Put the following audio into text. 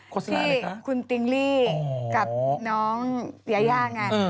โฆษณาอะไรคะที่คุณติ๊งลี่กับน้องเฮียย่างาน